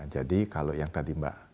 jadi kalau yang tadi mbak